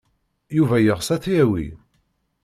Yuba yeɣs ad t-yawi.